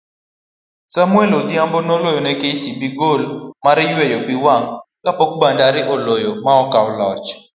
Samuel Odhiambo noloyo ne kcb gol maryweyo piwang' kapok Bandari oloyo maokao loch